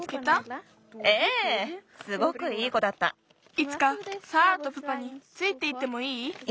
いつかサーラとプパについていってもいい？